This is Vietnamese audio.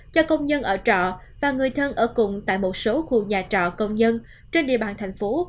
cho công nhân ở trọ và người thân ở cùng tại một số khu nhà trọ công nhân trên địa bàn thành phố